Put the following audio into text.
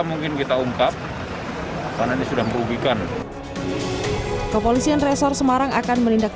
mungkin kita ungkap panen egg sudah mengubahkan ko mainly polisi dan resor semarang akan menindak